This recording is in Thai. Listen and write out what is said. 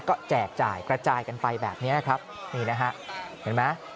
ก็แจกจ่ายกระจายกันไปแบบนี้ครับนี่นะฮะเห็นไหม